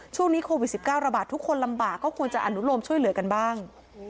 ช่วงนี้โควิด๑๙ระบาดทุกคนลำบากก็ควรจะอนุโลมช่วยเหลือกันบ้าง